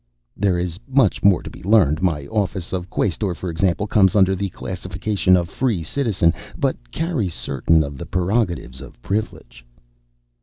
There is much more to be learned. My office of Quaestor, for example, comes under the classification of Free Citizen, but carries certain of the prerogatives of Privilege."